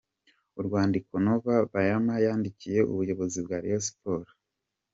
Urwandiko Nova Bayama yandikiye ubuyobozi bwa Rayon Sports.